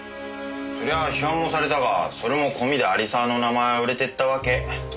そりゃ批判もされたがそれも込みで有沢の名前は売れてったわけ。